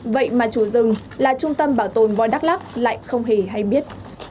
vậy mà chủ rừng là trung tâm bảo tồn voi đắk lắc lại không hề hay biết